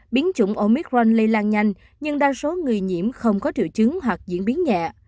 biến chủng omitrank lây lan nhanh nhưng đa số người nhiễm không có triệu chứng hoặc diễn biến nhẹ